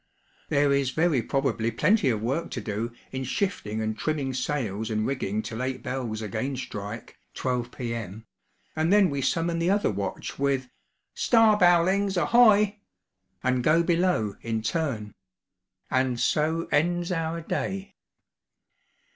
There is very probably plenty of work to do in shifting and trimming sails and rigging till eight bells again strike (12 P.M.), and then we summon the other watch with: 'Starbowlings, ahoy!' and go below in turn; and so ends our day.